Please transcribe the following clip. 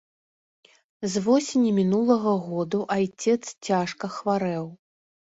З восені мінулага году айцец цяжка хварэў.